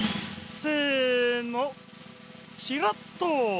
せのチラッとです！